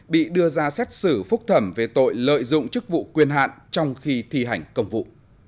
bị đưa ra xét xử phúc thẩm về tội lợi dụng chức vụ quyền hạn trong khi thi hành công vụ